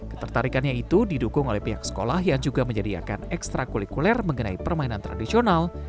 ketertarikannya itu didukung oleh pihak sekolah yang juga menyediakan ekstra kulikuler mengenai permainan tradisional